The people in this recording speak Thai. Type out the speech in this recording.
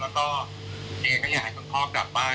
แล้วก็เอก็อยากให้คุณพ่อกลับบ้าน